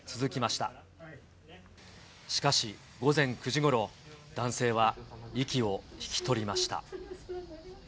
しかし、午前９時ごろ、男性は息を引き取りました。